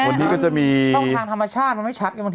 วันนี้ก็จะมีช่องทางธรรมชาติมันไม่ชัดกันบางที